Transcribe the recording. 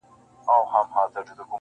زما په مینه ورور له ورور سره جنګیږي-